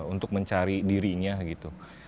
untuk mencari dirinya gitu